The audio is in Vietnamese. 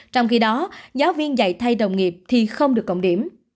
trong khi đó giáo viên dạy thay đồng nghiệp thì không được cộng điểm